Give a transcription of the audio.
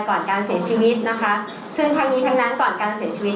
ก่อนการเสียชีวิตนะคะซึ่งทั้งนี้ทั้งนั้นก่อนการเสียชีวิต